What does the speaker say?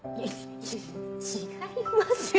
違いますよ